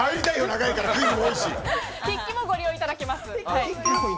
筆記もご利用いただけます。